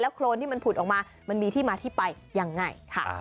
แล้วโครนที่มันผุดออกมามันมีที่มาที่ไปอย่างไร